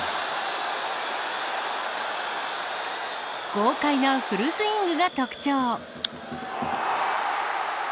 豪快なフルスイングが特徴。